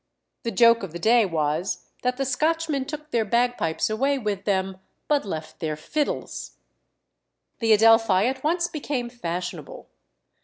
The joke of the day was, that the Scotchmen took their bagpipes away with them, but left their fiddles! The Adelphi at once became fashionable.